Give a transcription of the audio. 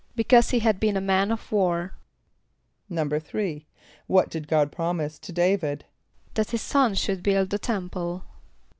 =Because he had been a man of war.= =3.= What did God promise to D[=a]´vid? =That his son should build the temple.